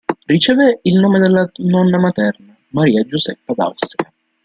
Ricevé il nome della nonna materna, Maria Giuseppa d'Austria.